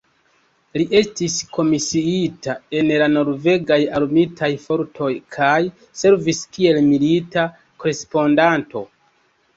Li estis komisiita en la norvegaj Armitaj Fortoj kaj servis kiel milita korespondanto.